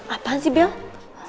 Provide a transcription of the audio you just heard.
apaan sih bill